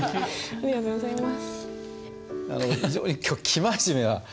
ありがとうございます。